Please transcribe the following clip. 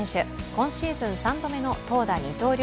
今シーズン３度目の投打二刀流